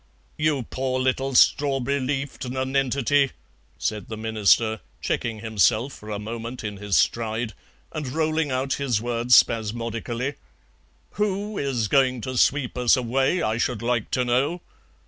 "You poor little strawberry leafed nonentity," said the Minister, checking himself for a moment in his stride and rolling out his words spasmodically; "who is going to sweep us away, I should like to know?